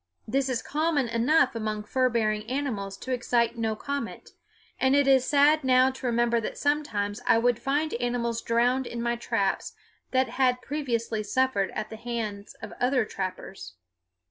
This is common enough among fur bearing animals to excite no comment; and it is sad now to remember that sometimes I would find animals drowned in my traps, that had previously suffered at the hands of other trappers.